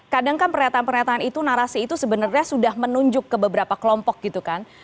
kadang kan pernyataan pernyataan itu narasi itu sebenarnya sudah menunjuk ke beberapa kelompok gitu kan